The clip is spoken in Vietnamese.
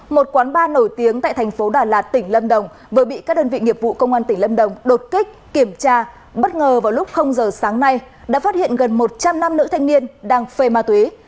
một quán ba nổi tiếng tại thành phố đà lạt tỉnh lâm đồng vừa bị các đơn vị nghiệp vụ công an tỉnh lâm đồng đột kích kiểm tra bất ngờ vào lúc giờ sáng nay đã phát hiện gần một trăm linh nam nữ thanh niên đang phê ma túy